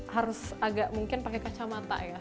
harus agak mungkin pakai kacamata ya